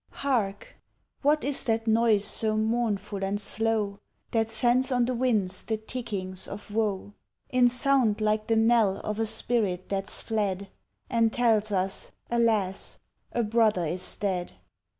Hark! what is that noise so mournful and slow, That sends on the winds the tickings of woe, In sound like the knell of a spirit that's fled, And tells us, alas! a brother is dead?